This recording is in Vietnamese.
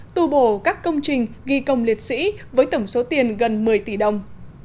tu bổ các công trình ghi công liệt sĩ với tổng số tiền gần một mươi tỷ đồng